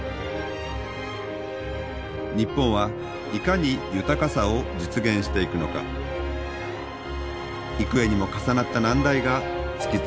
日本はいかに豊かさを実現していくのか幾重にも重なった難題が突きつけられています。